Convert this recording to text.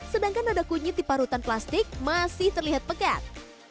sedangkan nada kunyit di parutan plastik masih terlihat pekat